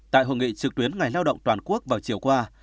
tại hội nghị trực tuyến ngày lao động toàn quốc vào chiều qua